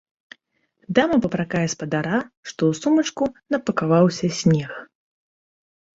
Дама папракае спадара, што ў сумачку напакаваўся снег.